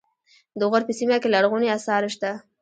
د غور په سیمه کې لرغوني اثار شته